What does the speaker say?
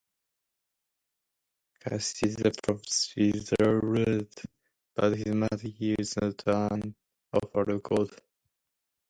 Castiza proves resolute but his mother yields to an offer of gold.